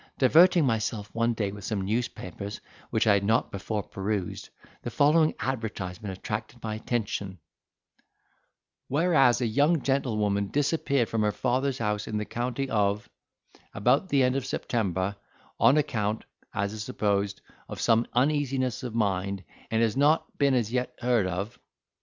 Diverting myself one day with some newspapers, which I had not before perused, the following advertisement attracted my attention: '"Whereas a young gentlewoman disappeared from her father's house in the county of —, about the end of September, on account (as is supposed) of some uneasiness of mind, and has not been as yet heard of.